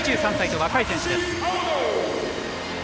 ２３歳と若い選手です。